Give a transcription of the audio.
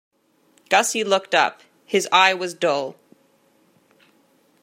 Gussie looked up. His eye was dull.